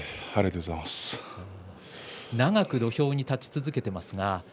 長く土俵に立ち続けています